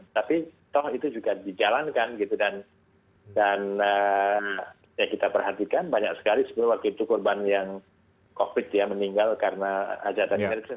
tapi toh itu juga dijalankan gitu dan ya kita perhatikan banyak sekali sebenarnya waktu itu korban yang covid ya meninggal karena hajatan indonesia